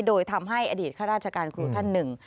โดยทำให้อดีตข้าราชการครูท่านหนึ่ง